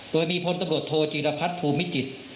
โดยมีพลตำรวจโทจีรพัฒน์ภูมิจิตร